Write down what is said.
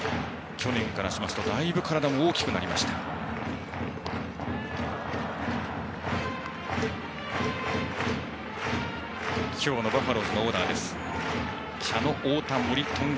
去年からしますとだいぶ体も大きくなりました、野口。